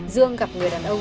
dương gặp người đàn ông